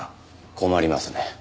困りますね。